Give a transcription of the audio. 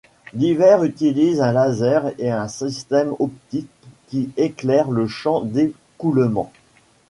Divers utilisent un laser et un système optique qui éclaire le champ d'écoulement.